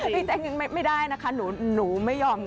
พี่แจ๊กยังไม่ได้นะคะหนูไม่ยอม